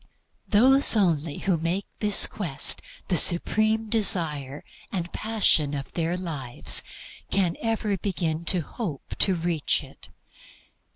Those only who make this quest the supreme desire and passion of their lives can ever begin to hope to reach it.